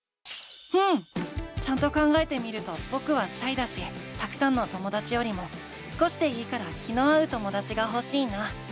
うん！ちゃんと考えてみるとぼくはシャイだしたくさんのともだちよりも少しでいいから気の合うともだちがほしいな。